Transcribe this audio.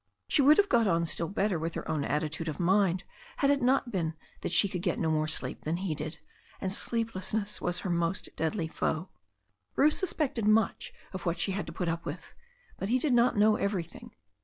She would have got on still better with her own attitude of mind had it not been that she could get no more sleep than he did, and sleeplessness was her most deadly foe. Bruce suspected much of what she had to put up with, but he did not know everything.